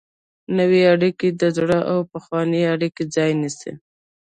نوې اړیکې د زړو او پخوانیو اړیکو ځای نیسي.